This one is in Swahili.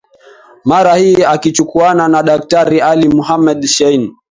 Mara hii akichuana na Daktari Ali Mohamed Shein